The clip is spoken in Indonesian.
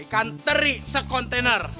ikan teri sekontainer